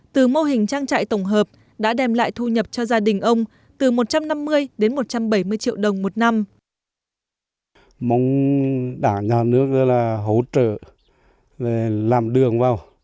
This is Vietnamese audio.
từ mô hình trang trại tổng hợp đã đem lại thu nhập cho gia đình ông